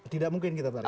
tidak mungkin kita tarik